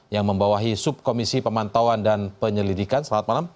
yang membawahi subkomisi pemantauan dan penyelidikan selamat malam